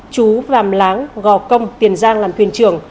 chú vàm láng gò công tiền giang làm thuyền trưởng